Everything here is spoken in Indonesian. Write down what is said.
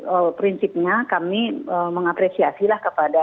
jadi prinsipnya kami mengapresiasilah kepada